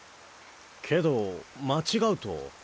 けど間違うと。